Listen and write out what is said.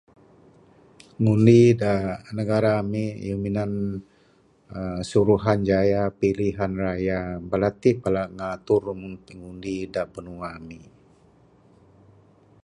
Ngundi da negara ami minan uhh suruhanjaya pilihan raya Bala ti pala ngatur ngundi da binua ami